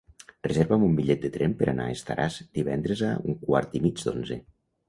Reserva'm un bitllet de tren per anar a Estaràs divendres a un quart i mig d'onze.